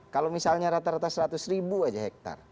kalau misalnya rata rata seratus ribu aja hektar